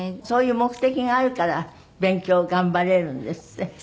そういう目的があるから勉強を頑張れるんですって？